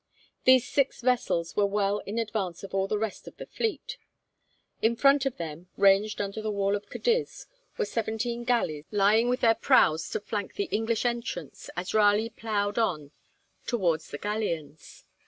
These six vessels were well in advance of all the rest of the fleet. In front of them, ranged under the wall of Cadiz, were seventeen galleys lying with their prows to flank the English entrance, as Raleigh ploughed on towards the galleons.